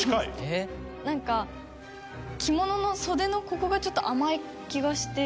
なんか着物の袖のここがちょっと甘い気がして。